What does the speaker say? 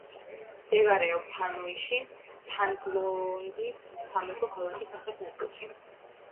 მდებარეობს ჰანოიში თანგ-ლონგის სამეფო ქალაქის სამხრეთ ნაწილში.